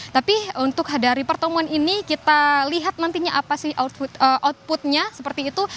tapi untuk dari pertemuan ini kita lihat nantinya apa sih outputnya seperti itu